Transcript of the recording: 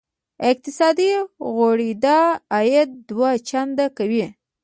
اقتصادي غوړېدا عاید دوه چنده کوي.